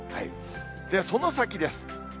その先です。